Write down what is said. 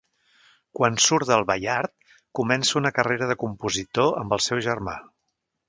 Quan surt del Baiard, comença una carrera de compositor amb el seu germà.